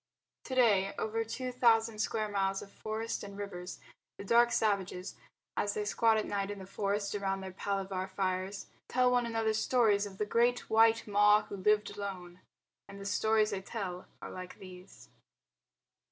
To day over two thousand square miles of forest and rivers, the dark savages, as they squat at night in the forest around their palaver fires, tell one another stories of the Great White Ma Who Lived Alone, and the stories they tell are like these.